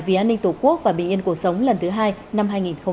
vì an ninh tổ quốc và bình yên cuộc sống lần thứ hai năm hai nghìn một mươi chín